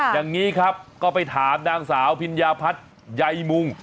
อย่างนี้ครับก็ไปถามนางสาวพิญญาพัฒน์ใยมุง